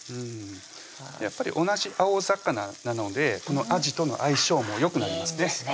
やっぱり同じ青魚なのでこのあじとの相性もよくなりますいいんですね